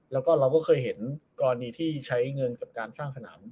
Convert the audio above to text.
แล้วก็เราก็เคยเห็นกรณีที่ใช้เงินกับการสร้างสนาม